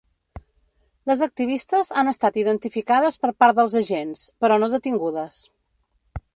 Les activistes han estat identificades per part dels agents, però no detingudes.